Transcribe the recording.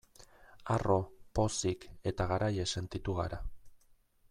Harro, pozik eta garaile sentitu gara.